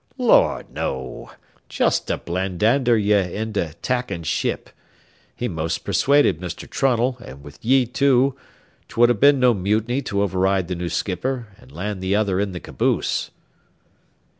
"Lord, no; jest to blandander ye inter tackin' ship. He most persuaded Mr. Trunnell, an' wid ye too, 'twould ha' been no mutiny to override the new skipper, an' land th' other in th' caboose."